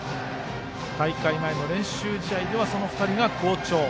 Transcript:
大会前の練習試合ではその２人が好調。